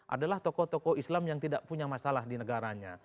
adalah tokoh tokoh islam yang tidak punya masalah di negaranya